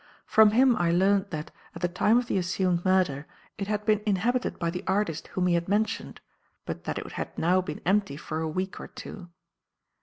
From him I learned that, at the time of the assumed murder, it had been inhabited by the artist whom he had mentioned, but that it had now been empty for a week or two.